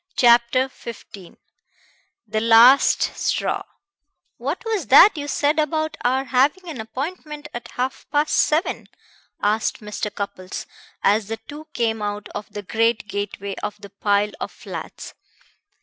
CHAPTER XV THE LAST STRAW "What was that you said about our having an appointment at half past seven?" asked Mr. Cupples as the two came out of the great gateway of the pile of flats.